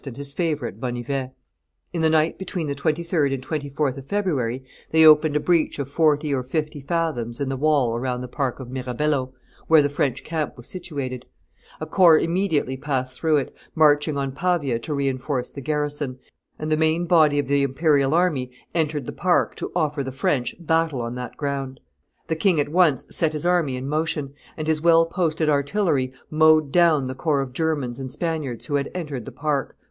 and his favorite Bonnivet. In the night between the 23d and 24th of February they opened a breach of forty or fifty fathoms in the wall around the park of Mirabello, where the French camp was situated; a corps immediately passed through it, marching on Pavia to re enforce the garrison, and the main body of the imperial army entered the park to offer the French battle on that ground. The king at once set his army in motion; and his well posted artillery mowed down the corps of Germans and Spaniards who had entered the park.